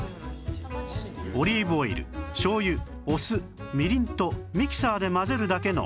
オリーブオイル醤油お酢みりんとミキサーで混ぜるだけの